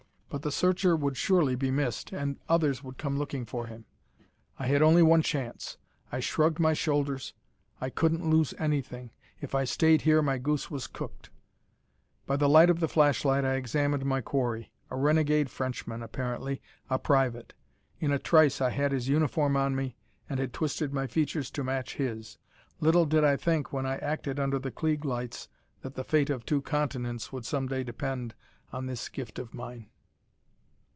But the searcher would surely be missed, and others would come looking for him. I had only one chance. I shrugged my shoulders. I couldn't lose anything. If I stayed here my goose was cooked. By the light of the flashlight I examined my quarry. A renegade Frenchman, apparently. A private. In a trice I had his uniform on me and had twisted my features to match his. Little did I think when I acted under the Klieg lights that the fate of two continents would some day depend on this gift of mine.